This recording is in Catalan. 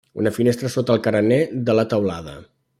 Una finestra sota el carener de la teulada.